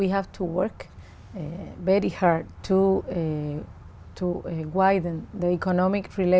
hợp lý và hợp lý đặc biệt